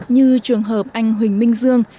như trường hợp anh huỳnh minh dương